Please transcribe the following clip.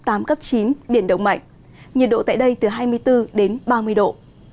đến với biển đông mạnh nhiệt độ tại đây từ hai mươi bốn ba mươi độ